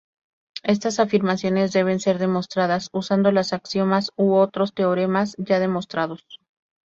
Estas afirmaciones deben ser demostradas usando los axiomas u otros teoremas ya demostrados.